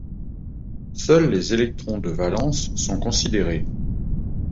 Seuls les électrons de valence sont considérés.